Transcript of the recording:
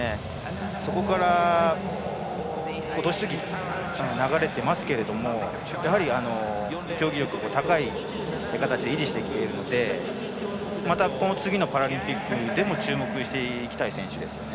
そこから今年まで流れていますけどやはり競技力高い形で維持してきているのでこの次のパラリンピックでも注目していきたい選手ですよね。